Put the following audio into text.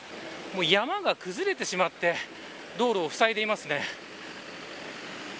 この奥の地域山が崩れてしまって道路をふさいでいますね。